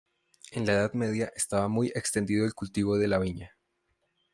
En la Edad Media estaba muy extendido el cultivo de la viña.